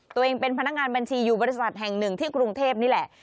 ตัวเองเป็นพนักงานบัญชีอยู่บริษัทแห่งหนึ่งที่กรุงเทพนี่แหละ